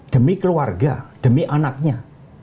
demi keluarga demi anaknya